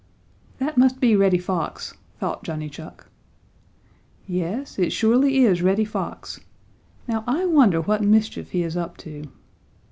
"That must be Reddy Fox," thought Johnny Chuck. "Yes, it surely is Reddy Fox. Now I wonder what mischief he is up to."